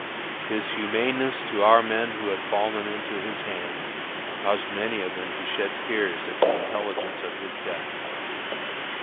His humaneness to our men who had fallen into his hands caused many of them to shed tears at the intelligence of his death.